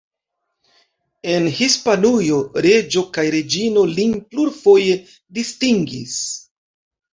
En Hispanujo reĝo kaj reĝino lin plurfoje distingis.